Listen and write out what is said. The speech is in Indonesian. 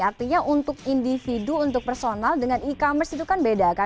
artinya untuk individu untuk personal dengan e commerce itu kan beda kan